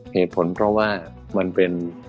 เหตุผลเพราะว่ามันเป็น